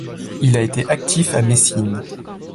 Il a été actif à Messine.